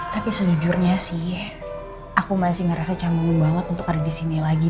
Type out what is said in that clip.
tapi sejujurnya sih aku masih ngerasa canggung banget untuk ada di sini lagi